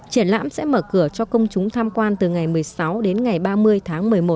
triển lãm sẽ mở cửa cho công chúng tham quan từ ngày một mươi sáu đến ngày ba mươi tháng một mươi một